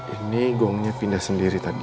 ini gongnya pindah sendiri tadi